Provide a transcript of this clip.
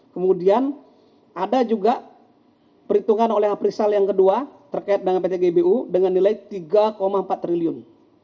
kemudian ada juga perhitungan oleh aprisel yang kedua terkait dengan pt gbu dengan nilai tiga empat triliun